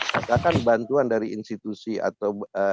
katakan bantuan dari institusi atau